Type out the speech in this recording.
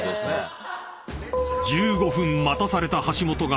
［１５分待たされた橋本が］